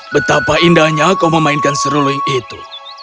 betapa indahnya kau memainkan seruling itu